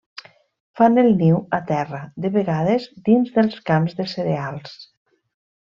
Fan el niu a terra, de vegades dins dels camps de cereals.